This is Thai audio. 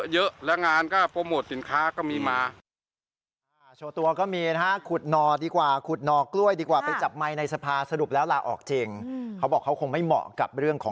เยอะแล้วงานก็โปรโมทสินค้าก็มีมา